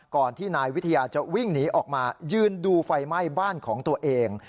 ก่อนที่นายวิทยาจะวิ่งหนีออกมายืนดูไฟไหม้บ้านของตัวเอง